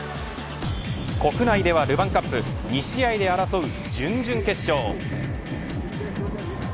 国内ではルヴァンカップ２試合で争う準々決勝。